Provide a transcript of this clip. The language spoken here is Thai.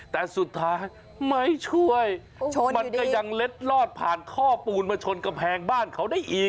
แต่สุดท้ายไม่ช่วยมันก็ยังเล็ดลอดผ่านท่อปูนมาชนกำแพงบ้านเขาได้อีก